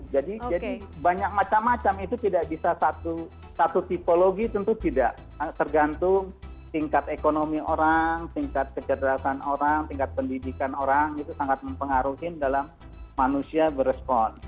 jadi banyak macam macam itu tidak bisa satu tipologi tentu tidak tergantung tingkat ekonomi orang tingkat kecerdasan orang tingkat pendidikan orang itu sangat mempengaruhi dalam manusia berespon